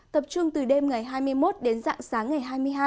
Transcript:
tập trung từ đêm ngày hai mươi một đến dạng sáng ngày hai mươi hai